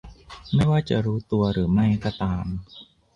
ไม่ว่าจะรู้ตัวหรือไม่ก็ตาม